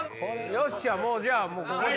よっしゃもうじゃあここで。